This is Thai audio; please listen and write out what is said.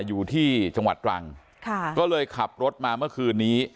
อยู่ที่จังหวัดตรังค่ะก็เลยขับรถมาเมื่อคืนนี้